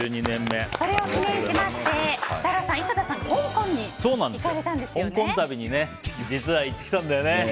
それを記念しまして設楽さん、井戸田さん実は行ってきたんだよね！